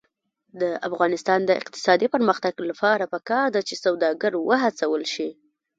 د افغانستان د اقتصادي پرمختګ لپاره پکار ده چې سوداګر وهڅول شي.